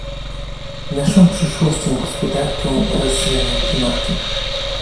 naszą przyszłością gospodarczą oraz zmianą klimatu